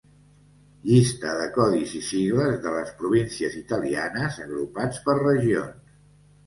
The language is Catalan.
Llista de codis i sigles de les províncies italianes agrupats per regions.